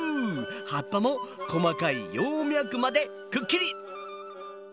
葉っぱも細かい葉脈までくっきり！